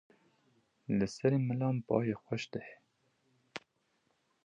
Li serê milan bayê xweş dihê.